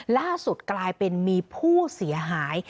ล่าสุดกลายเป็นมีผู้เสียหาย